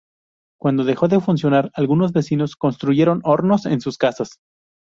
Cuando dejó de funcionar algunos vecinos construyeron hornos en sus casas.